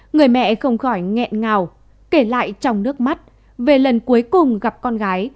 người mẹ không khỏi nghẹn ngào kể lại trong nước mắt về lần cuối cùng gặp con gái